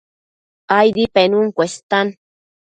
Aidi penun cuestan